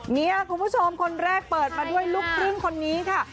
เนี่ยคุณผู้ชมคนแรกเปิดมาด้วยลูกครึ่งคนนี้ค่ะ